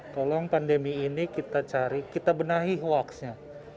tolong pandemi ini kita cari kita benahi hoaxnya